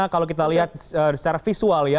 kalau kita lihat secara visual ya